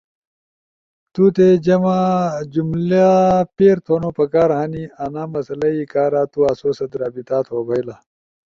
تو تی جملہ پیر تھونو پکار ہنی۔ انا مسئلہ ئی کارا تو آسو ست رابطہ تھو بئیلا۔